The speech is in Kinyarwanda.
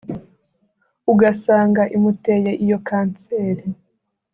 ugasanga imuteye iyo kanseri”